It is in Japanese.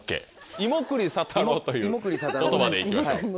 「いもくり佐太郎」という言葉で行きましょう。